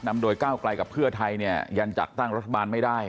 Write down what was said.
โดยก้าวไกลกับเพื่อไทยเนี่ยยังจัดตั้งรัฐบาลไม่ได้